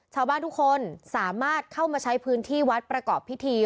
ชาวบ้านทุกคนสามารถเข้ามาใช้พื้นที่วัดประกอบพิธี